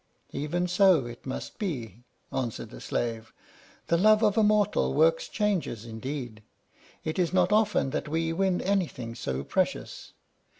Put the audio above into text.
"Even so it must be," answered the slave; "the love of a mortal works changes indeed. It is not often that we win anything so precious.